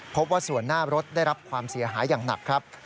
พบว่าส่วนหน้ารถได้รับความเสียหายอย่างหนักครับ